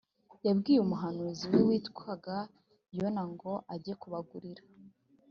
yabwiye umuhanuzi we witwaga yona ngo ajye kubaburira